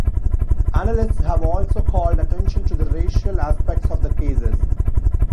Analysts have also called attention to the racial aspects of the cases.